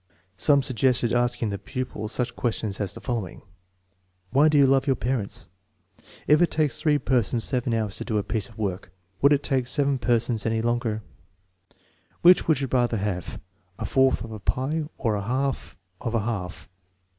Some suggested asking the pupil such questions as the following: "Why do you love your parents?" * c lf it takes three persons seven hours to do a piece of work, would it take seven persons any longer?'* "Which would you rather have, a fourth of a pie, or a half of a half?